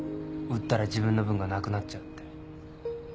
売ったら自分の分がなくなっちゃうって。